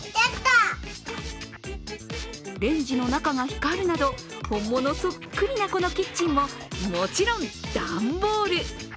レンジの中が光るなど、本物そっくりなこのキッチンももちろん段ボール。